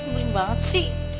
baling banget sih